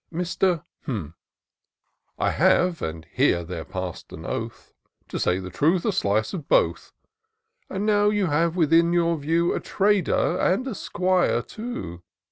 Mr. " I have (and here there pass'd an oath), To say the truth, a spice of both : For now you have within your view A trader and a 'squire too.